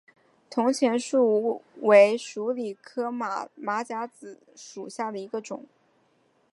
铜钱树为鼠李科马甲子属下的一个种。